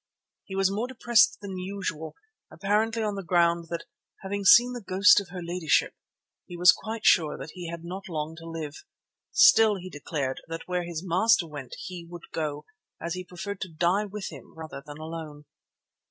He was more depressed than usual, apparently on the ground that "having seen the ghost of her ladyship" he was sure he had not long to live. Still, he declared that where his master went he would go, as he preferred to die with him rather than alone.